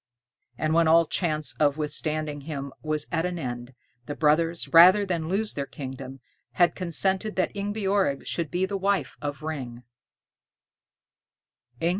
And when all chance of withstanding him was at an end, the brothers, rather than lose their kingdom, had consented that Ingebjorg should be the wife of Ring.